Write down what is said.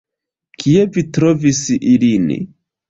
Kie vi trovis ilin?